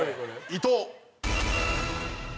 伊藤。